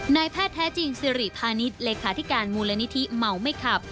นายแพทย์แท้จริงสิริพาณิชย์เลขาธิการมูลนิธิเมาไม่ขับ